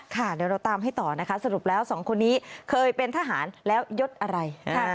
ค่ะเดี๋ยวเราตามให้ต่อนะคะสรุปแล้วสองคนนี้เคยเป็นทหารแล้วยดอะไร